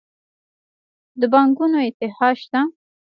د بانکونو اتحادیه شته؟